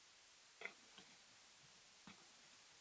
周期性是指在过程的行为中引发周期性模式。